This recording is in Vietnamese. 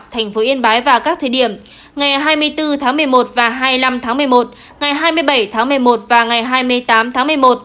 thành phố yên bái vào các thời điểm ngày hai mươi bốn tháng một mươi một và hai mươi năm tháng một mươi một ngày hai mươi bảy tháng một mươi một và ngày hai mươi tám tháng một mươi một